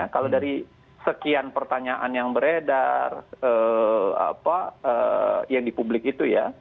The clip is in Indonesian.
kalau dari sekian pertanyaan yang beredar yang di publik itu ya